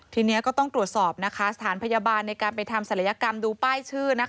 ทีนี้ก็ต้องตรวจสอบสถานพยาบาลในการไปทำศัลยกรรมดูป้ายชื่อ